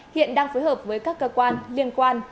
hiện đang phối hợp với các cơ quan liên quan